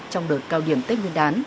trong đợt cao điểm tết biên đán